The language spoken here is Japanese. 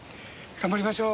頑張りましょう。